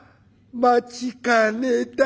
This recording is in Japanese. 「待ちかねた」。